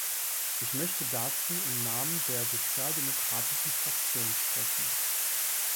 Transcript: Ich möchte dazu im Namen der Sozialdemokratischen Fraktion sprechen.